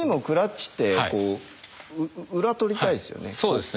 そうですね。